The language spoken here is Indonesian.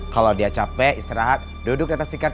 kalau dia capek istirahat duduk di atas tikar itu